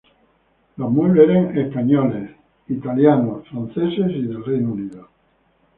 Los muebles eran catalanes, españoles, y traídos de Italia, Francia y el Reino Unido.